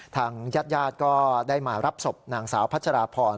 ทางยาดก็ได้มารับศพหนังสาวภัชราคร